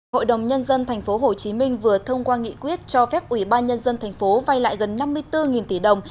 hội đồng nhân dân tp hcm vừa thông qua nghị quyết cho phép ubnd tp hcm vay lại gần năm mươi bốn tỷ đồng